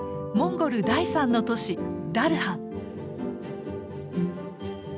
モンゴル第３の都市ダルハン。